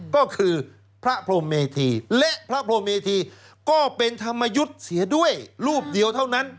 ก็คือพระพรมเมธีและพระพรมเมธีก็เป็นธรรมยุทธ์เสียด้วยรูปเดียวเท่านั้น